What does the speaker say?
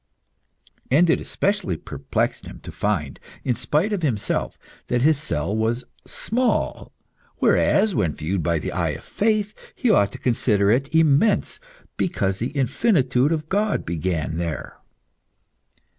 And it especially perplexed him to find, in spite of himself, that his cell was small, whereas, when viewed by the eye of faith, he ought to consider it immense, because the infinitude of God began there.